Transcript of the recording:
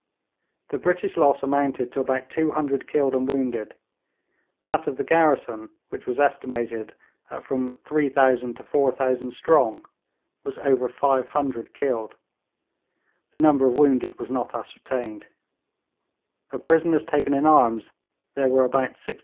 The British loss amounted to about 200 killed and wounded, that of the garrison, which was estimated at from 3000 to 4000 strong, was over 500 killed. The number of wounded was not ascertained; of prisoners taken in arms there were about 1600.